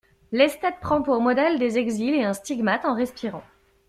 L'esthète prend pour modèles des exils et un stigmate en respirant.